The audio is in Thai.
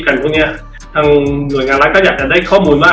ทั้งหน่วยงานและก็อยากได้ข้อมูลว่า